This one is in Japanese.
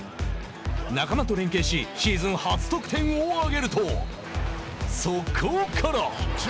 仲間と連携しシーズン初得点を挙げると速攻から。